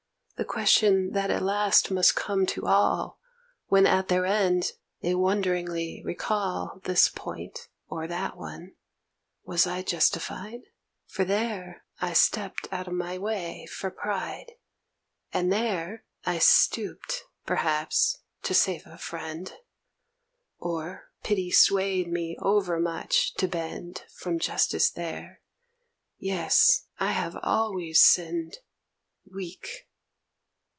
The question that at last must come to all When at their end, they wonderingly recall This point or that one '_Was I justified? For there I stepped out of my way for pride And there I stooped, perhaps, to save a friend, Or Pity swayed me over much to bend From justice there. Yes, I have always sinned. Weak!